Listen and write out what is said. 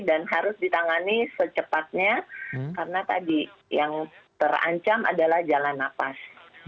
dan harus ditangani secepatnya karena tadi yang terancam adalah jalan nafas